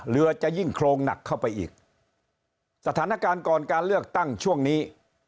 เรือจะยิ่งโครงหนักเข้าไปอีกสถานการณ์ก่อนการเลือกตั้งช่วงนี้